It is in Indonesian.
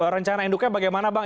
rencana induknya bagaimana bang